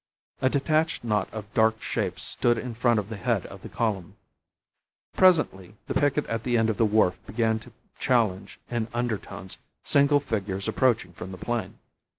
A detached knot of dark shapes stood in front of the head of the column. Presently the picket at the end of the wharf began to challenge in undertones single figures approaching from the plain.